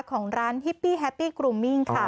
ของร้านฮิปปี้แฮปปี้กรุมมิ่งค่ะ